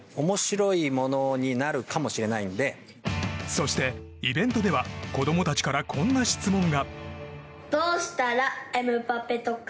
そしてイベントでは子供たちから、こんな質問が。